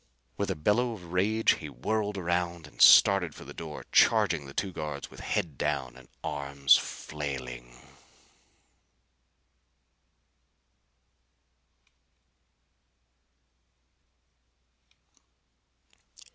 With a bellow of rage he whirled around and started for the door, charging the two guards with head down and arms flailing.